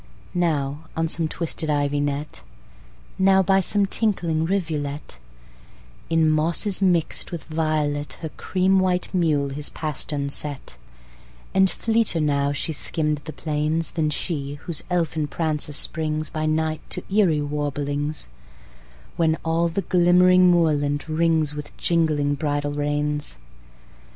Now on some twisted ivy net, Now by some tinkling rivulet, In mosses mixt with violet Her cream white mule his pastern set; And fleeter now she skimm'd the plains Than she whose elfin prancer springs By night to eery warblings, When all the glimmering moorland rings With jingling bridle reins.